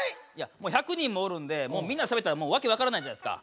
もう１００人もおるんでみんなでしゃべったら訳分からないじゃないですか。